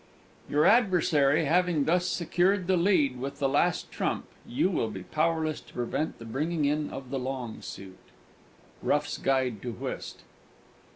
"Your adversary having thus secured the lead with the last trump, you will be powerless to prevent the bringing in of the long suit." ROUGH'S _Guide to Whist.